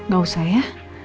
gak usah ya